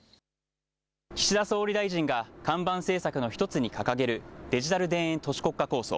岸田総理大臣が看板政策の１つに掲げるデジタル田園都市国家構想。